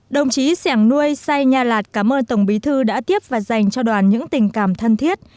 đồng chí sẻng nuôi sai nha lạt cảm ơn tổng bí thư đã tiếp và dành cho đoàn những tình cảm thân thiết